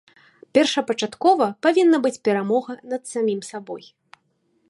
Першапачаткова павінна быць перамога над самім сабой.